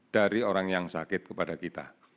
dari orang yang sakit kepada kita